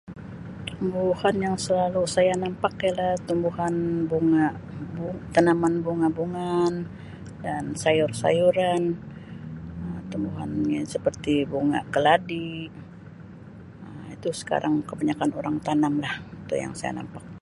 Tumbuhan yang selalu saya nampak ialah tumbuhan bunga tanaman bunga-bungaan dan sayur-sayuran tumbuhan yang seperti bunga keladi Um itu sekarang kebanyakan orang tanam lah itu yang saya nampak.